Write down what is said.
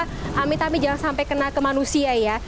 kami kami jangan sampai kena ke manusia ya